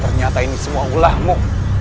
ternyata ini semua ulahmu